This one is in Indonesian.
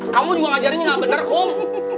kamu juga ngajarin ini gak bener kum